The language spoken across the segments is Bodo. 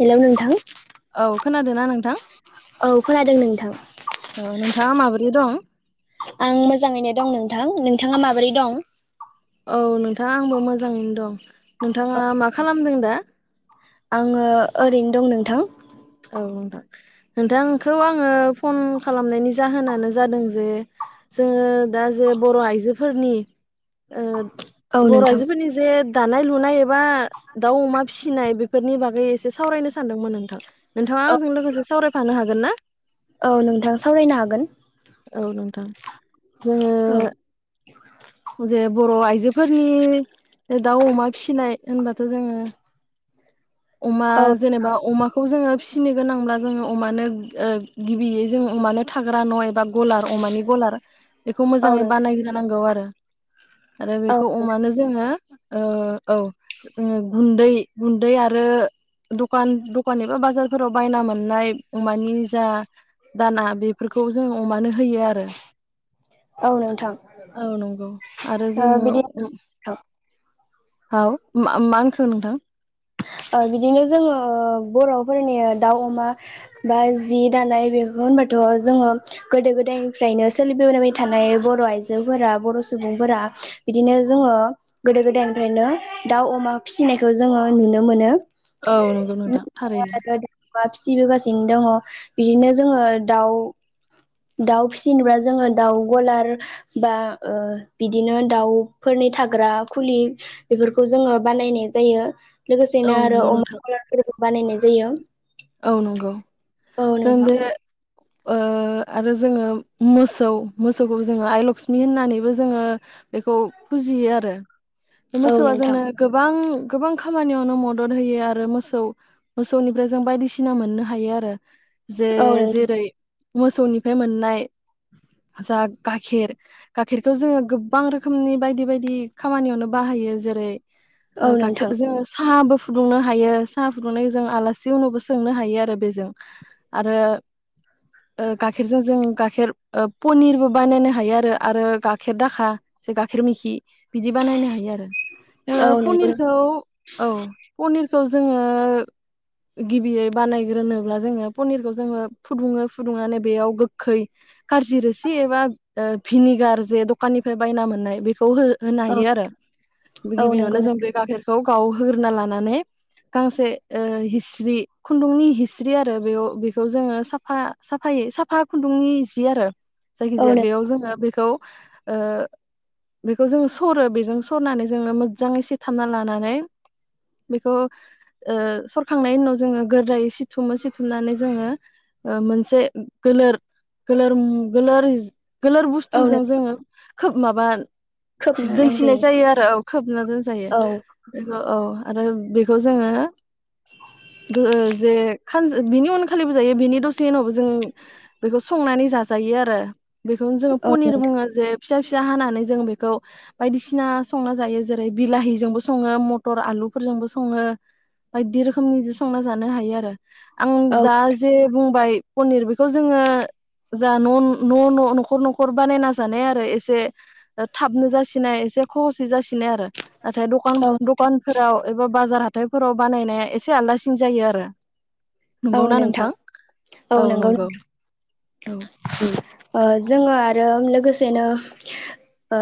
हेल' नोंथां औ खोनादोंना नोंथां। औ खोनादों नोंथां। औ नोंथाङा माबोरै दं आं मोजाङैनो दं नोंथां नोंथाङा माबोरै दं? औ नोंथां आंबो मोजाङैनो दं। नोंथाङा मा खालामदों दा। आङो ओरैनो दं नोंथां। औ नोंथां नोंथांखौ आङो फन खालामनायनि जाहोनानो जादों जे जोङो दा जे बर' आइजोफोरनि ओ औ बर' नोंथां आइजोफोरनि जे दानाय लुनाय एबा दाउ अमा फिसिनाय बेफोरनि बागै एसे सावरायनो सानदोंमोन नोंथां। नोंथाङा औ आंजों लोगोसे सावरायफानो हागो गोनना। औ नोंथां सावरायनो हागोन। औ नोंथां। जोङो। [unintelligible] जे बर' आइजोफोरनि दाउ अमा फिसिनाय होनबाथ' जों। [unintelligible] अमा औ जेनेबा अमाखौ जोङो। फिसिनो गोनांब्ला जोङो अमानो ओ गिबियै जों अमानो थाग्रा न' ए। बा गलार अमानि गलार बेखौ औ मोजाङै बानायग्रो नांगौ आरो। आरो नोंथां बेखौ औ अमानो जोङो। ओ औ जोङो गुन्दै गुन्दै आरो दखान दखान एबा बाजारफोराव बायना मोननाय अमानि जा दाना। बेफोरखौ जों अमानो होयो आरो औ नोंथां औ नंगौ। आरो ओ जोङो बिदि। औ मा मा होनखो नोंथां। ओ बिदिनो जोङो बर'। फोरनि दाउ अमा बा जि दानाय बेखौ होनबाथ' जोङो गोदो गोदायनिफ्रायनो सोलिबोबाय थानाय बर' आइजोफोरा बर' सुबुंफोरा बिदिनो जोङो गोदो गोदायनिफ्रायनो दाउ अमा फिसिनायखौ जोङो। नुनो मोनो। औ नंगौ नोंथां थारैनो। आरो दाउआ फिसिबोगासिनो दङ बिदिनो जोङो दाउ। दाउ फिसिनोब्ला जोङो दाउ गलार बा ओ बिदिनो दाउफोरनि थाग्रा खुलि बेफोरखौ जोङो बानायनाय जायो। औ लोगोसेनो आरो नंगौ नोंथां अम। बानायनाय जायो। औ नंगौ। औ नोंथां [unintelligible] ओ आरो जोङो मोसौ मोसौखौ जोङो आइ लक्ष्मि होननानैबो जोङो बेखौ फुजियो आरो। बे औ मोसौआ नोंथां जोंनो गोबां। गोबां खामानियावनो मदद होयो आरो मोसौ मोसौनिफ्राय जों बायदि। सिना मोननो हायो आरो। जे जेरै। मोसौनिफ्राय मोननाय जा गाखेर गाखेरखौ जोङो गोबां रोखोमनि बायदि बायदि खामानियावनो बाहायो जेरै औ ओ गाखेर नोंथां जों साहाबो फु फुदुंनो हायो साहा फुदुंनाय जों आलासि उनावबो सोंनो हायो आरो बेजों आरो ओ गाखेरजों जों गाखेर ओ पनिरबो बानायनो हायो आरो गाखेर दाखा जे गाखेर मिखि। बिदि बानायनो हायो आरो औ ओ नोंथां औ नंगौ पनिरखौ औ पनिर खौ जोङो गिबियै बानायग्रोनोब्ला जोङो पनिरखौ जोङो फुदुङो फुदुंनानै बेयाव गोखै कारजि रोसि एबा ओ भिनिगार जे दखाननिफ्राय बायना मोननाय बेखौ खौ होनो औ हायो आरो औ नंगौ गिबियावनो जों बे गाखेरखौ आव होग्रोना लानानै गांसे ओ हिस्रि खुन्दुंनि हिस्रि आरो बेयाव बेखौ जोङो साफा साफायै साफा खुन्दुंनि जि आरो औ जायखिजाया बेयाव जोङो बेखौ ओ बेखौ जों सरो बेजों सरनानै जोङो मोजाङै सेथामना लानानै बेखौ ओ सरखांनायनि ओ उनाव जोङो गोरायै सि थुमो सि थुमनानै जोङो ओ मोनसे गोलोर गोलोर मो गोलोर गोलोर औ बुस्थुजों नोंथां जोङो खोब माबा खोबनानै दोनसिननाय होजायो जायो आरो औ खोबना दोनजायो औ बेखौ औ आरो बे बेखौ जोङो [inaudible] गो जे खास बिनि उनखालिबो जायो बिनि दसे से उनावबो जों बेखौ संनानै जाजायो आरो। बेखौनो जोङो औ पनिर नोंथां बुङो जे फिसा फिसा हानानै जों बेखौ बायदिसिना संना जायो जेरै बिलाहिजोंबो सङो मथर आलुफोरजोंबो सङो बायदि रोखोमनिजों सं संना जानो हायो आरो। आं औ दा जे बुंबाय पनिर बेखौ जोङो जा न' न' न'खर न'खर बानायना जानाय आरो एसे थाबनो जासिननाय एसे खहसै जासिन नो आरो नाथाय दखान औ दखानफोराव एबा बाजार हा हाथायफोराव बानायनाया एसे आलदासिन सिन जायो आरो। औ नोंथां औ नंगौ नोंथां। औ ओ जोङो आरो लोगोसेनो ओ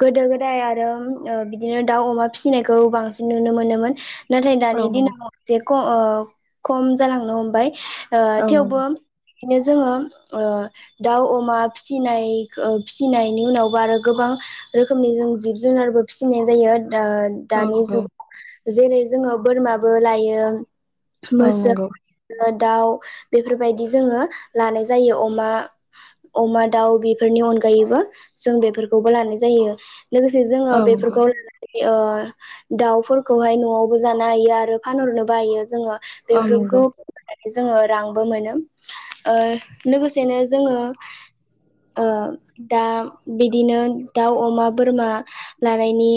गोदो गोदाय आरो ओ बिदिनो दाउ अमा फिसिनायखौ बांसिन नुनो मोनोमोन। नाथाय औ दानि नंगौ दिनाव जे क ओ खम जालांनो हमबाय। ओ औ नंगौ थेवबो बेखायनो जोङो ओ दाउ अमा फिनाय फिसिनायनि उनावबो आरो गोबां रोखोमनि जों जिब जुनारबो फिसिनाय जायो। द औ दानि नंगौ जुग जेरै जोङो बोरमाबो लायो। औ नंगौ [unintelligible] दाउ बेफोरबाय दि जोङो लानाय जायो अमा अमा दाउ बेफोरनि अनगायैबो जों बेफोरखौबो लानाय जायो। लोगोसे औ जोङो नंगौ बेफोरखौ लानानै ओ दाउफोरखौहाय न'आवबो जानो हायो आरो फानहरनोबो हायो जोङो। औ नंगौ बेफोरखौ जोङो रांबो मोनो। ओ लोगोसेनो जोङो ओ दा बिदिनो दाउ अमा बोरमा लानायनि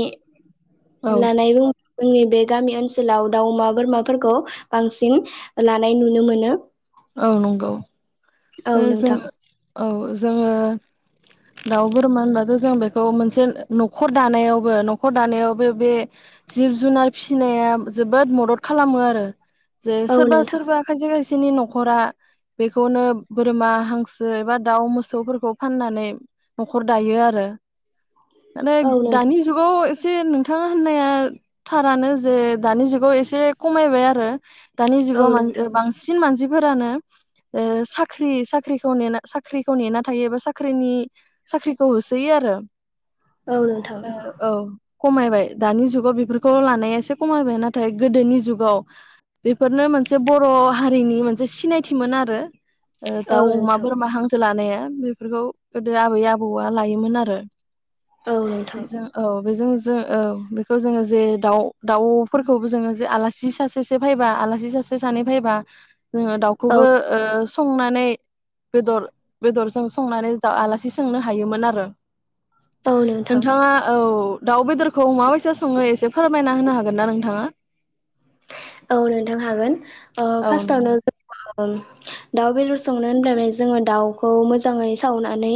औ होननानै बुं। जोंनि बे गामि ओनसोलाव दाउ अमा बोरमाफोरखौ बांसिन लानाय नुनो मोनो। औ नंगौ। औ जोङो नोंथां। औ जोङो दाउ बोरमा होनबाथ' जों बेखौ मोनसे न'खर दानायावबो न'खर दानायावबो बे जिब जुनार फिसिनाया जोबोद मदद खालामो आरो। जे औ सोरबा नोंथां सोरबा खायसे खायसे बिसिनि न'खरा बेखौनो बोरमा हांसो एबा दाउ मोसौफोरखौ फाननानै न'खर दायो आरो। औ [unintelligible] नोंथां दानि जुगाव एसे नोंथाङा होननाया थारानो जे दानि जुगाव एसे खमायबाय आरो। दानि औ जुगाव मा नोंथां बांसिन मानसि फोरानो ओ साक ख्रि साख्रिखौ नेना साख्रिखौ नेना थायोबा साख्रिनि साख्रिखौ होसोयो आरो। औ नोंथां ओ औ खमायबाय दानि जुगाव बेफोरखौ लानाया एसे खमायबाय नाथाय गोदोनि जुगाव बेफोरनो मोनसे बर' हारिनि मोनसे सिनायथिमोन आरो। ओ औ दाउ अमा नोंथां बोरमा हांसो लानाया बेफोरखौ गोदो आबै आबौआ लायोमोन आरो। औ नोंथां बेजों औ बेजों जों औ बेखौ जोङो जे दाउ दाउफोरखौबो जोङो जे आलासि सासेसो फैबा आलासि सासे सानै फैबा जोङो औ दाउखौबो ओ स संनानै बेदर बेदरजों संनानै दा आलासि सोंनो हायोमोन आरो। औ नोंथां नोंथाङा औ दाउ बेदरखौ मा बायसा सङो एसे फोरमायना होनो हागोन ना नोंथाङा? औ नोंथां हागोन। ओ औ फार्स्टावनो नंगौ दाउ बेदर संनो होनब्लाथाय जोङो दाउखौ मोजाङै सावनानै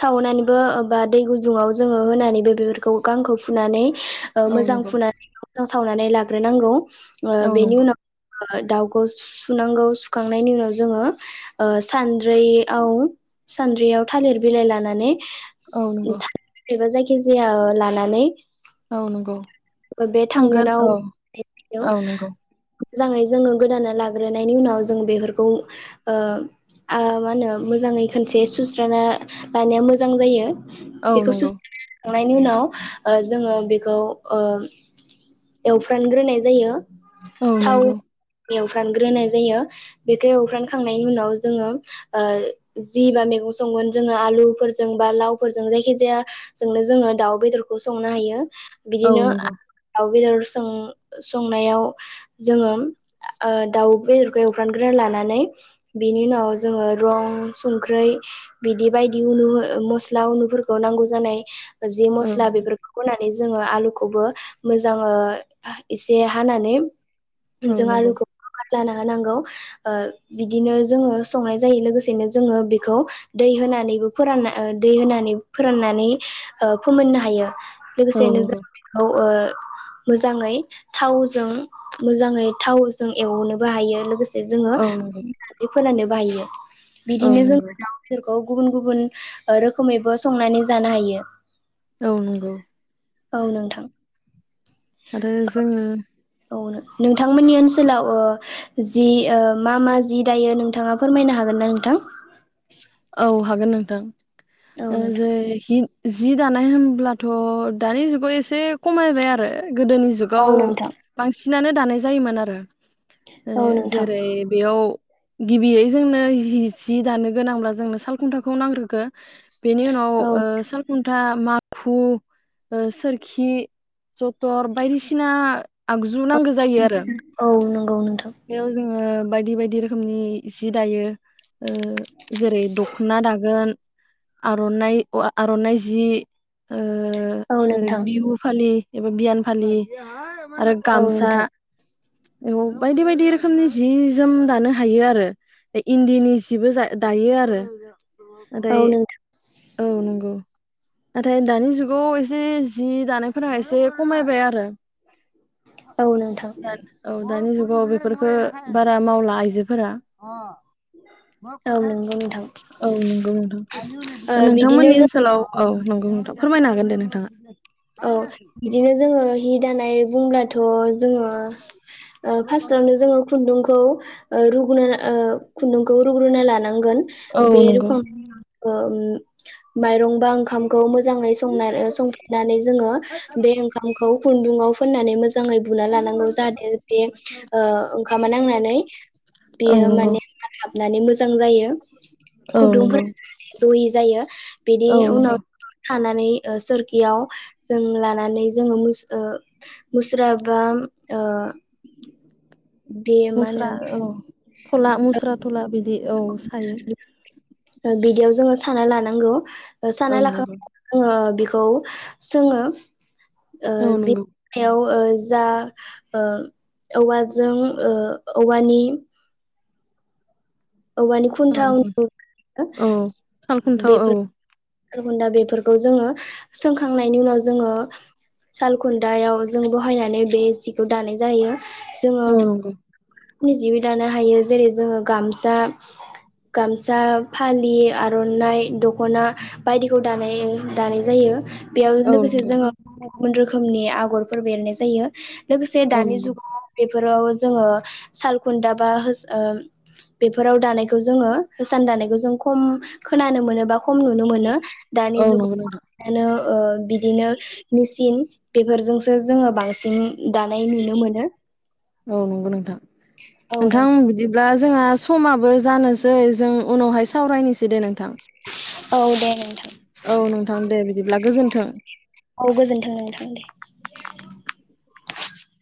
सावनानैबो बा दै गुजुङाव जोङो होनानैबो बेफोरखौ गांखौ फुनानै ओ औ मोजां नंगौ फुनाय सावनानै ला। ग्रो नांगौ। आ औ बेनि नंगौ उना आ दाउखौ सुनांगौ सुखांनायनि उनाव जोङो ओ सानद्रि आव सानद्रियाव थालिर बिलाइ लानानै। औ नंगौ। एबा जायखिजाया लानानै। औ नंगौ। ए बे थांगोन थांगोनाव औ औ नंगौ मोजाङै जोङो गोदाना लाग्रोनायनि उनाव जों बेफोरखौ आ आ मा होनो मोजाङै खोनसे सुस्राना लानाया मोजां जायो। औ नंगौ। थांनायनि उनाव जोङो बेखौ ओ। एवफ्रानग्रोनाय जायो। औ थाव नंगौ। एवफ्रानग्रोनाय जायो बेखौ एवफ्रानखांनायनि उनाव जोङो ओ जि बा मैगं संगोन जोङो आलुफोरजों बा लावफोरजों जायखि जायाजोंनो जोङो दाउ बेदरखौ संनो हायो। औ बिदिनो नंगौ दाउ बेदर सों संनायाव जोङो ओ दाउ बेदरखौ एवफ्रानग्रा लानानै बेनि उनाव जोङो रं संख्रै बिदि बायदि उनु मस्ला उनुफोरखौ नांगौ जानाय। जि औ मस्ला नंगौ बेफोरखौ होनानै। जोङो आलुखौबो। मोजाङो एसे हानानै। [unintelligible] औ जों नंगौ आलुखो लाना हानांगौ आ बिदिनो जोङो संनाय जायो लोगोसेनो जोङो बेखौ दै होनानैबो फोरान ओ दै होनानै फोराननानै ओ फोमोननो हायो। औ लोगोसेनो नंगौ जो बेखौ ओ। मोजाङै थावजों मोजाङै थावजों एवनोबो हायो लोगोसे। जोङो औ फोरान्नोबो हायो। बिदिनो जों नंगौ औ गुबुन गुबुन ओ रोखोमैबो संनानै जानो हायो। औ नोंगपो। औ नोंथां। आरो जोङो औ नो-नोंथांमोननि ओनसोलाव जि ओ मा मा जि दायो नोंथाङा फोरमायनो हागोन ना नोंथां? औ। हागोन नोंथां। औ ओ नोंथां जो हि जि दानाय होनब्लाथ' दानि जुगाव एसे खमायबाय आरो। गोदोनि औ जुगाव नोंथां [inaudible] बांसि नानो दानाय जायोमोन आरो। औ ओ नोंथां जेरै बेयाव गिबियै जोंनो हि सि दानो गोनांब्ला जोंनो साल खुन्थाखौ नांग्रोगो। बेनि उनाव औ ओ सालखुन्था माखु ओ सोरखि जटर बायदिसिना आगजु जु नांगो जायो आरो। औ नंगौ नोंथां बेयाव जोङो बायदि बायदि रोखोमनि सि दायो। ओ जेरै दखना दागोन। आर'नाइ अ आ-आर'नाइ जि ओ औ जेरै नोंथां बिहु फालि। ऐबा बियान फलि। आरो औ गामसा। नोंथां औ। बायदि बायदि रोखोमनि जि जोम दानो हायो आरो इ-इन्दिनि जिबो जा दायो आरो। औ नाथाय नोंथां औ [inaudible] नंगौ। नाथाय दानि जुगाव जे जि दानायफोरा एसे खमायबाय आरो। औ नोंथां [inaudible] औ दानि जु अ बेफोरखो बारा मावला आइजोफोरा। [inaudible] औ नंगौ नोंथां औ नंगौ ओ नोंथां बिदिनो नोंथांमोननि जों ओनसोलाव औ नंगौ नोंथां फोरमायनो हागोन। दो नोंथाङा। औ बिदिनो जोङो हि दानाय बुंब्लाथ' जोङो फास्टवनो जोङो खुन्दुंखौ ओ रु [unintelligible] ओ खुुन्दुं खौ रुग्रोना लानां गोन औ बे नंगौ रुखां अ माइरं बा ओंखामखौ मोजां मोजाङै संनां नानै जोङो बे ओंखामखौ खुन्दुंआव फोननानै मोजां मोजाङै बुना लानांगौ जाहाथे बे ओ ओंखामा नांनानै औ बेयो नंगौ माने नानै मोजां जायो। औ नंगौ। जयि जायो। बेदि औ नंगौ उनाव थानानै ओ सोर इयाव जों लानानै जोंङो मुस ओ मुस्रा बा ओ बे मा मुस्रा होनो औ थला मुस्रा थला बिदि औ सायो। ओ बिदियाव जोंङो साना लानांगौ। ओ औ साना लाखां नंगौ [unintelligible] बेखौ सोङो। ओ औ बे नंगौ ओ जा ओ औवाजों ओ औवानि औवानि खुन्था [unintelligible] सालखुन्थाव बेफोर औ। सालखुन्दा बेफोरखौ जोंङो सोंखांनायनि उनाव जोङो सालखुन्दायाव जों बहायनानै बे सिखौ दानाय जायो। औ नंगौ नि जिबि दानो हायो जेरै जोंङो गामसा गामसा, फालि, आर'नाइ, दख'ना। बायदिखौ दानाय दानाय जायो। बेयाव औ लोगोसे नंगौ जोंङो गुबुन रोखोमनि आगरफोरबो एरनाय जायो। लोगोसे औ दानि नंगौ जुगाव बेफो फोराव जोङो सालखुन्दा बा होस ओ बेफोराव दानायखौ जोङो होसान दानायखौ जों खम खोनानो मोनोबा खम नुनो मोनो। दानि औ नंगौ जुगाव नोंथां [unintelligible] ओ बिदिनो मिसिन बेफोरजोंसो जोङो बांसिन दानाय नुनो मोनो। औ नंगौ नोंथां औ नोंथां नोंथां बिदिब्ला जोंहा समाबो जानोसै जों उनावहाय सावरायनोसै दे नोंथां। औ दे नोंथां। औ नोंथां दे बिदिब्ला गोजोन्थों। औ गोजोनथों नोंथां दे।